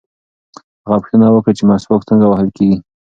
هغه پوښتنه وکړه چې مسواک څنګه وهل کېږي.